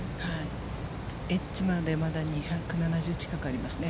エッジまでまだ２７０近くありますね。